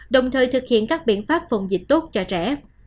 đồng thời thực hiện các biện pháp phòng dịch tốt cho trẻ